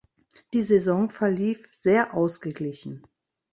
Die Saison verlief sehr ausgeglichen.